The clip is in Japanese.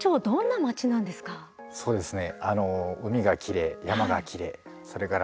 そうですね